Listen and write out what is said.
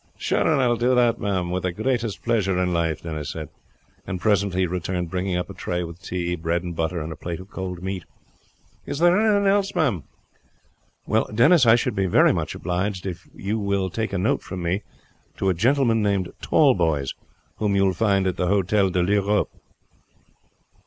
"Sure, I will do that, ma'am, with the greatest pleasure in life," Denis said; and presently returned bringing up a tray with tea, bread and butter, and a plate of cold meat. "Is there anything else, ma'am?" "Well, Denis, I should be very much obliged if you will take a note from me to a gentleman named Tallboys, whom you will find at the Hotel de L'Europe.